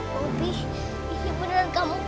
poppy ini beneran kamu poppy